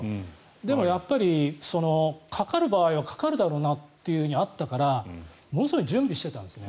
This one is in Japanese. でもやっぱり、かかる場合はかかるだろうなというのがあったからものすごい準備してたんですね。